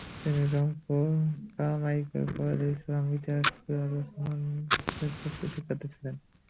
তিনি রংপুর কারমাইকেল কলেজের ইসলামের ইতিহাস বিভাগের সম্মান শেষ বর্ষের শিক্ষার্থী ছিলেন।